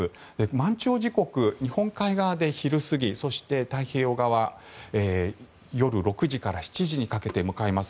満潮時刻、日本海側で昼過ぎそして太平洋側、夜６時から７時にかけて迎えます。